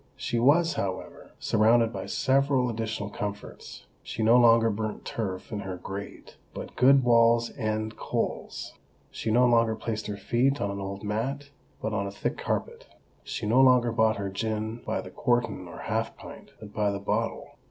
She was, however, surrounded by several additional comforts. She no longer burnt turf in her grate, but good Wall's End coals. She no longer placed her feet on an old mat, but on a thick carpet. She no longer bought her gin by the quartern or half pint, but by the bottle.